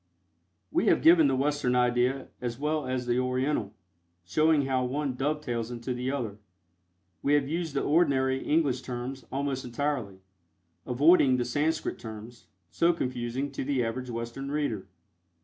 We have given the Western idea as well as the Oriental, showing how one dovetails into the other. We have used the ordinary English terms, almost entirely, avoiding the Sanscrit terms, so confusing to the average Western reader.